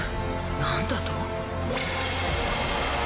なんだと？